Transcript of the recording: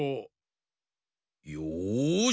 よし！